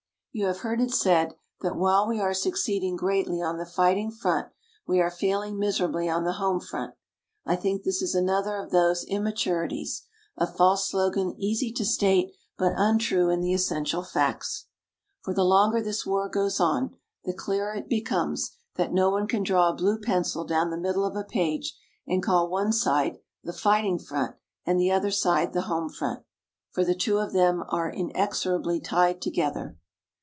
You have heard it said that while we are succeeding greatly on the fighting front, we are failing miserably on the home front. I think this is another of those immaturities a false slogan easy to state but untrue in the essential facts. For the longer this war goes on the clearer it becomes that no one can draw a blue pencil down the middle of a page and call one side "the fighting front" and the other side "the home front." For the two of them are inexorably tied together.